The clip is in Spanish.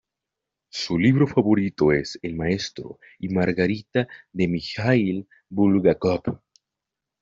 Su libro favorito es El Maestro y Margarita de Mijaíl Bulgákov.